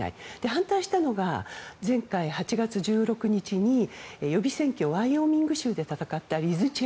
反対したのが前回８月１６日に予備選挙ワイオミング州で戦った方。